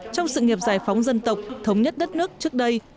trong sự nghiệp giải phóng dân tộc thống nhất đất nước trước đây